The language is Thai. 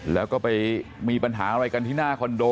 แล้วก็ไปมีปัญหาอะไรกันที่หน้าคอนโด